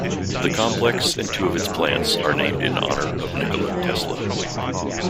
The complex and two of its plants are named in honor of Nikola Tesla.